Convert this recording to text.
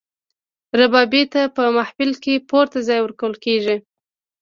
ربابي ته په محفل کې پورته ځای ورکول کیږي.